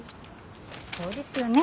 そうですよね。